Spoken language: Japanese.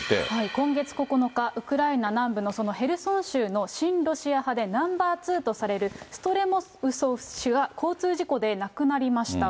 今月９日、ウクライナ南部のそのヘルソン州の親ロシア派でナンバー２とされるストレモウソフ氏が交通事故で亡くなりました。